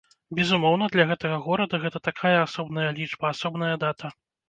Безумоўна, для гэтага горада гэта такая асобная лічба, асобная дата.